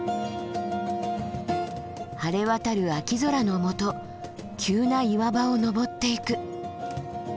晴れ渡る秋空のもと急な岩場を登っていく。